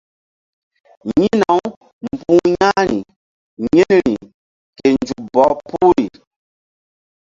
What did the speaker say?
Yi̧hna-u mbu̧h ya̧hri yi̧nri ke nzuk bɔh puhri.